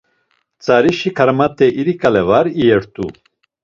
Tzarişi karmat̆e iri ǩale var iyert̆u.